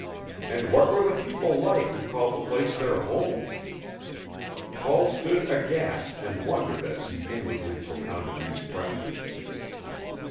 And what were the people like who called the place their home? Paul stood aghast and wondered as he inwardly propounded these questions.